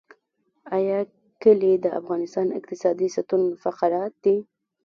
آیا کلي د افغانستان اقتصادي ستون فقرات دي؟